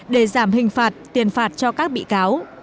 để giảm hình phạt tiền phạt cho các bị cáo